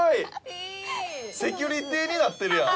「セキュリティーになってるやん」